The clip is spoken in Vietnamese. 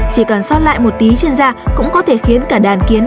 chỉ cần sót lại một tí trên da cũng có thể khiến cả đàn kiến